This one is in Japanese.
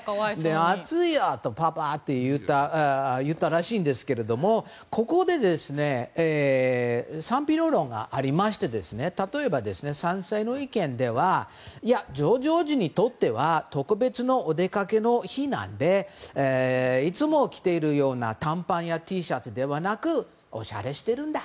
暑いや、パパ！と言ったらしいんですけどここで、賛否両論ありまして例えば賛成の意見ではいや、ジョージ王子にとっては特別のお出かけの日なのでいつも着ているような短パンやＴシャツではなくおしゃれしているんだ